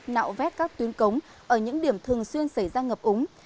nạo vét các tuyến cống ở những điểm thường xuyên xảy ra ngập úng